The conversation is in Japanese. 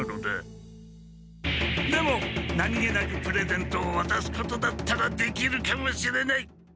でも何気なくプレゼントをわたすことだったらできるかもしれない！